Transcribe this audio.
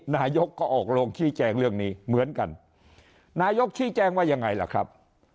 นายกก็ออกโรงชี้แจงเรื่องนี้เหมือนกันนายกชี้แจงว่ายังไงล่ะครับ